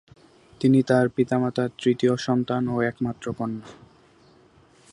তিনি তার পিতামাতার তৃতীয় সন্তান ও একমাত্র কন্যা।